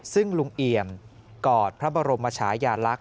ซึ่งลุงเอี่ยมกอดพระบรมชายาลักษ